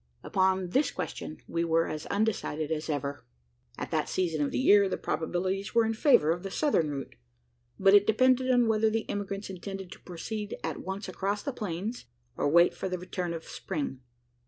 Upon this question we were as undecided as ever. At that season of the year, the probabilities were in favour of the southern route; but it depended on whether the emigrants intended to proceed at once across the plains, or wait for the return of spring.